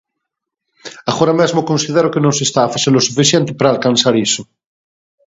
Agora mesmo considero que non se está a facer o suficiente para alcanzar iso.